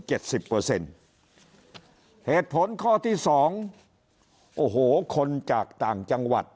เหตุผลข้อที่สองโอ้โหคนจากต่างจังหวัด